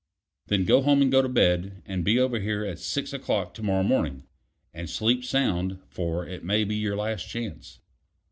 "Then go home, and go to bed; and be over here at six o'clock to morrow morning. And sleep sound, for it may be your last chance."